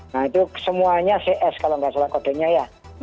nah itu semuanya cs kalau nggak salah kodenya ya